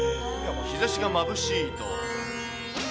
日ざしがまぶしいと。